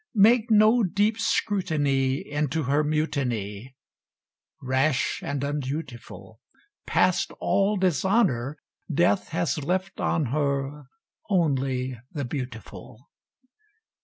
Make no deep scrutiny Into her mutiny Bash and undutiful: Past all dishonor, Death has left on her Only the beautiful.